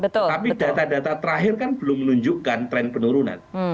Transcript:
tapi data data terakhir kan belum menunjukkan tren penurunan